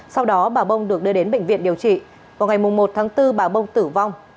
sau đó bà bông được đưa đến bệnh viện điều trị vào ngày một tháng bốn bà bông tử vong